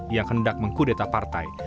yang hendak mengkudeta partai